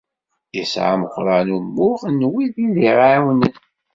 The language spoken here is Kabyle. Yesεa Meqqran umuɣ n wid i d-iεawnen.